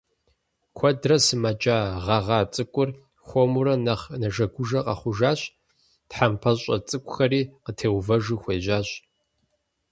Куэдрэ сымэджа гъэгъа цIыкIур хуэмурэ нэхъ нэжэгужэ къэхъужащ, тхьэмпэщIэ цIыкIухэри къытеувэжу хуежьащ.